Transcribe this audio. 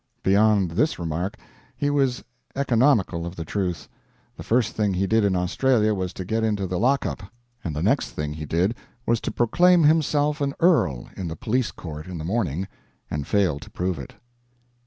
Beyond this remark he was economical of the truth. The first thing he did in Australia was to get into the lockup, and the next thing he did was to proclaim himself an earl in the police court in the morning and fail to prove it.